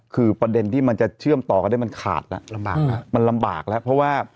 คือประเด็นที่มันจะเชื่อมต่อกันได้มันขาดแล้วลำบากแล้วมันลำบากแล้วเพราะว่า